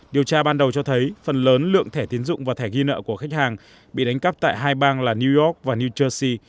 điều tra ban đầu cho thấy phần lớn lượng thẻ tiến dụng và thẻ ghi nợ của khách hàng bị đánh cắp tại hai bang là new york và new jersey